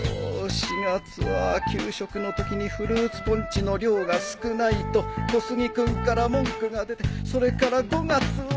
４月は給食のときにフルーツポンチの量が少ないと小杉君から文句が出てそれから５月は。